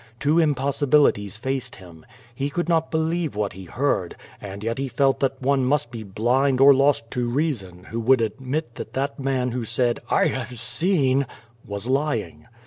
Two impossibilities faced him. lie could not believe what he heard, and yet he felt that one must be blind or lost to reason who would admit that that man who said "I have seen" was lying.